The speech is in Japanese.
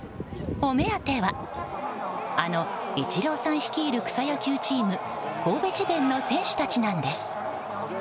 お目当てはあのイチローさん率いる草野球チームＫＯＢＥＣＨＩＢＥＮの選手たちなんです。